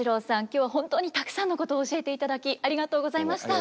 今日は本当にたくさんのことを教えていただきありがとうございました。